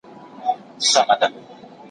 زه زده کړه کړي دي.